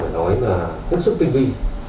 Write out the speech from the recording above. nói là rất sức tinh vi